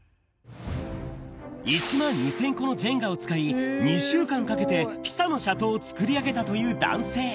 １万２０００個のジェンガを使い、２週間かけてピサの斜塔を作り上げたという男性。